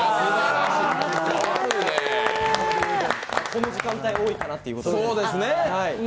この時間帯多いかなということで。